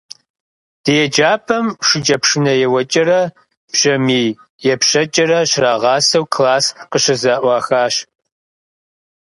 Ди еджапӏэм шыкӏэпшынэ еуэкӏэрэ, бжьэмий епщэкӏэрэ щрагъасэу класс къыщызэӏуахащ.